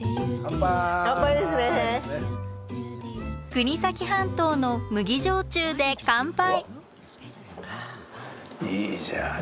国東半島の麦焼酎で乾杯。